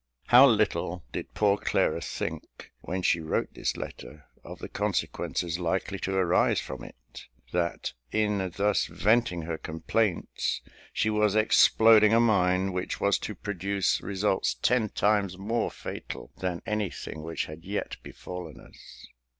How little did poor Clara think, when she wrote this letter, of the consequences likely to arise from it; that in thus venting her complaints, she was exploding a mine which was to produce results ten times more fatal than any thing which had yet befallen us?